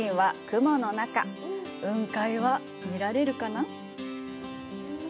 雲海は見られるかな。